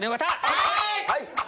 はい！